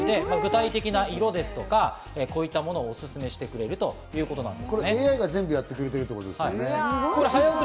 具体的な色ですとか、こういったものをおすすめしてくれるということなんです。